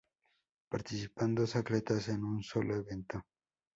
Participan dos atletas en un solo evento.